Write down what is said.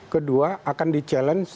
kedua akan di challenge